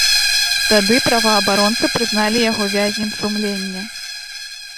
Тады праваабаронцы прызналі яго вязнем сумлення.